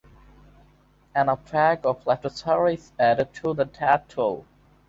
An outbreak of Leptospirosis added to the death toll.